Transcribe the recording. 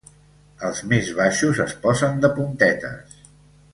Els més baixos es posen de puntetes.